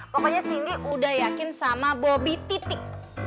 pokoknya cindy udah yakin sama bobby titi